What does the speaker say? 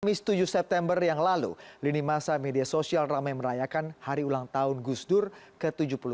pada jam tujuh september yang lalu lini masa media sosial ramai merayakan hari ulang tahun gus dur ke tujuh puluh tujuh